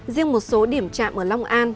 riêng một số điểm trạm ở long an